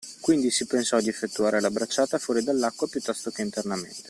Quindi si pensò di effettuare la bracciata fuori dall’acqua piuttosto che internamente